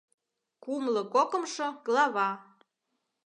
КУМЛО КОКЫМШО ГЛАВА